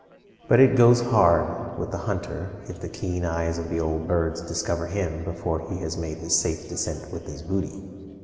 But it goes hard with the hunter if the keen eyes of the old birds discover him before he has made his safe descent with his booty.